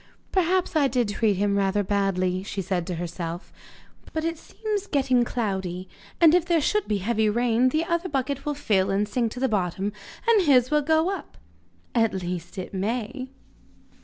'Perhaps I did treat him rather badly,' she said to herself. 'But it seems getting cloudy, and if there should be heavy rain the other bucket will fill and sink to the bottom, and his will go up at least it may!